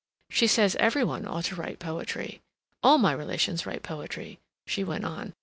She says every one ought to write poetry.... All my relations write poetry," she went on.